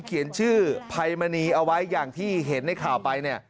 เขียนชื่อภัยมณีเอาไว้อย่างที่เห็นในข่าวไปเนี่ย